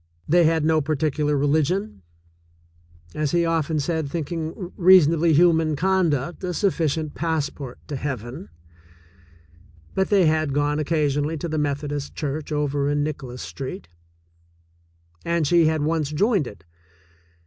They had no particular religion, as he often said, thinking reasonably human conduct a sufficient passport to heaven, but they had gone oc casionally to the Methodist Church over in Nicholas Street, and she had once joined it.